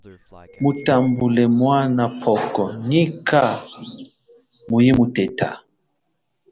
Mutambule mwana pwoko, nyikha muyimuteta.